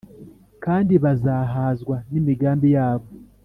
, Kandi bazahazwa n’imigambi yabo